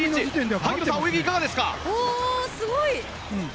萩野さん、泳ぎいかがですか？